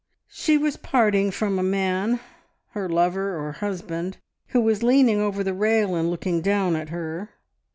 "She was parting from a man her lover or husband who was leaning over the rail and looking down at her.